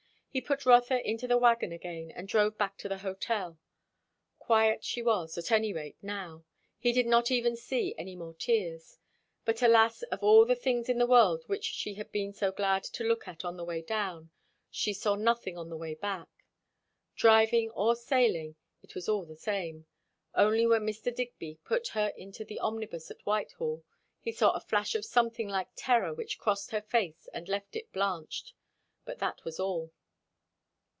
He put Rotha into the wagon again and drove back to the hotel. Quiet she was, at any rate, now; he did not even see any more tears; but alas, of all the things in the world which she had been so glad to look at on the way down, she saw nothing on the way back. Driving or sailing, it was all the same; only when Mr. Digby put her into the omnibus at Whitehall he saw a flash of something like terror which crossed her face and left it blanched. But that was all.